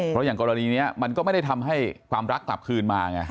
เพราะอย่างกรณีนี้มันก็ไม่ได้ทำให้ความรักกลับคืนมาไง